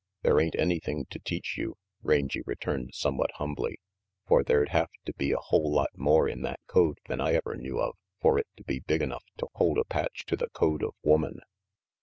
"There ain't anything to teach you," Rangy returned somewhat humbly, "for there'd have to be a whole lot more in that code than I ever knew of for it to be big enough to hold a patch to the code of woman.